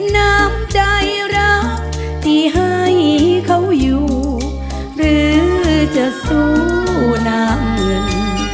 น้ำใจรักที่ให้เขาอยู่หรือจะสู้น้ำเงิน